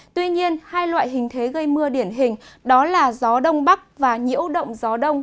tuy nhiên hai loại hình thế gây mưa điển hình đó là gió đông bắc và nhiễu động gió đông